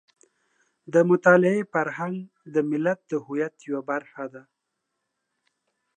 د مطالعې فرهنګ د ملت د هویت یوه برخه ده.